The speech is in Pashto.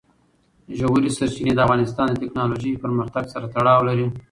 ژورې سرچینې د افغانستان د تکنالوژۍ پرمختګ سره تړاو لري.